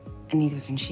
dan dia juga tidak bisa